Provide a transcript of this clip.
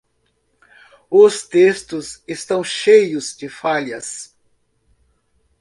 Os textos estão cheios de falhas.